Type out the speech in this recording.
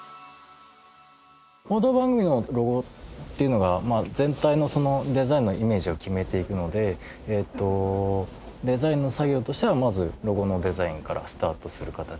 報道番組のロゴっていうのが全体のデザインのイメージを決めていくのでえっとデザインの作業としてはまずロゴのデザインからスタートする形になります。